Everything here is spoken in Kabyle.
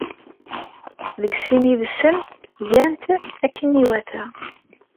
Deg sin yid-sen gan-t akken iwata.